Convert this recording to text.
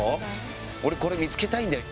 俺これ見つけたいんだよ。